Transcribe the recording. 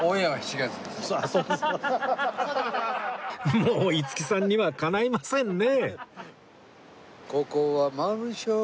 もう五木さんにはかないませんね